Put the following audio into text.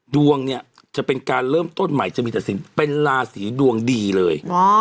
ดวงเนี่ยจะเป็นการเริ่มต้นใหม่จะมีตัดสินเป็นราศีดวงดีเลย